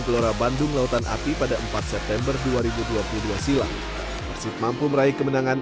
gelora bandung lautan api pada empat september dua ribu dua puluh dua silam persib mampu meraih kemenangan